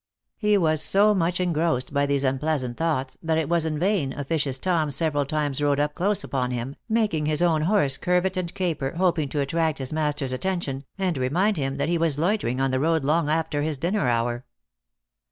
He was so much engrossed by these unpleasant thoughts, that it was in vain officious Tom several times rode up close upon him, making his own horse curvet and caper, hoping to attract his master s atten tion, and remind him that he was loitering on the road long after his dinner hour.